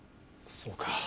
そうか。